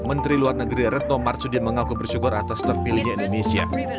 menteri luar negeri retno marsudin mengaku bersyukur atas terpilihnya indonesia